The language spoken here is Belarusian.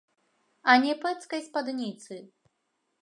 А не пэцкай спадніцы!